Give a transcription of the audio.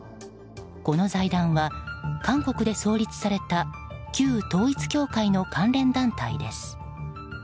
この財団は韓国で創立された旧統一教会の関連団体です。